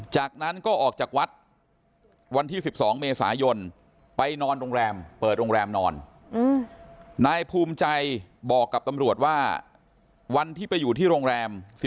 จากนั้นก็ออกจากวัดวันที่๑๒เมษายนไปนอนโรงแรมเปิดโรงแรมนอนนายภูมิใจบอกกับตำรวจว่าวันที่ไปอยู่ที่โรงแรม